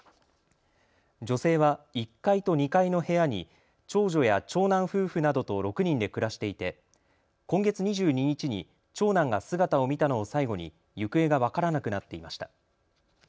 女性は１階と２階の部屋に長女や長男夫婦などと６人で暮らしていて今月２２日に長男が姿を見たのを最後に行方が分からなくなっていました。